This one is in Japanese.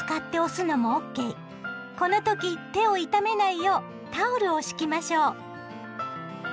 この時手を痛めないようタオルを敷きましょう。